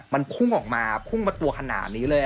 มันพุ่งออกมาพุ่งมาตัวขนาดนี้เลย